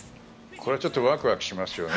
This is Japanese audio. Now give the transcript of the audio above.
これはちょっとワクワクしますよね。